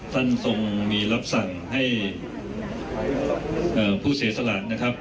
ท่านทรงมีรับสั่งให้ผู้เสียสละนะครับ